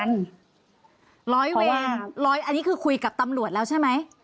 ครับอันนี้คุยกับตำรวจแล้วใช่ไหม